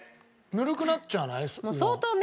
ぬるくなっちゃわない？